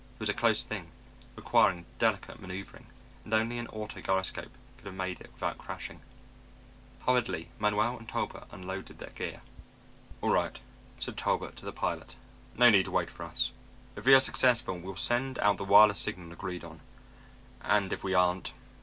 It was a close thing, requiring delicate maneuvering, and only an auto gyroscope could have made it without crashing. Hurriedly Manuel and Talbot unloaded their gear. "All right," said Talbot to the pilot. "No need to wait for us. If we are successful, we'll send out the wireless signal agreed on, and if we aren't...."